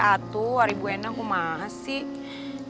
aduh hari buena aku mahasiswa